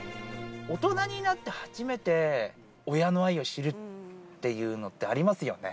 大人になって初めて、親の愛を知るっていうのって、ありますよね。